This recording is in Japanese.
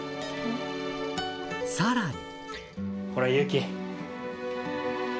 さらにほら雄起。